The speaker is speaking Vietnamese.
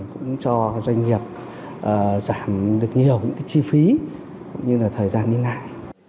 cũng cho doanh nghiệp giảm được nhiều những cái chi phí cũng như là thời gian đi lại